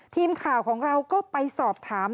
ทีมข่าวของเราก็ไปสอบถาม